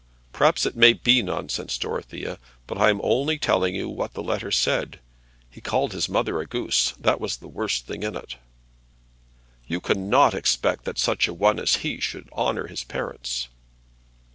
"Perhaps it may be nonsense, Dorothea; but I am only telling you what the letter said. He called his mother a goose; that was the worst thing in it." "You cannot expect that such a one as he should honour his parents."